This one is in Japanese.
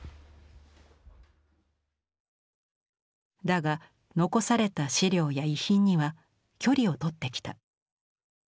だが残された資料や遺品には距離をとってきた。